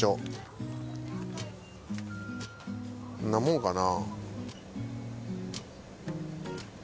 こんなもんかな？